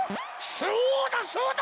そうだそうだ！